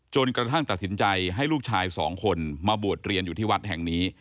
กระทั่งตัดสินใจให้ลูกชายสองคนมาบวชเรียนอยู่ที่วัดแห่งนี้